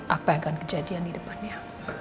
apa yang akan kejadian di depannya